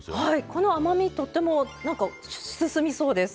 この甘みとってもなんか進みそうです。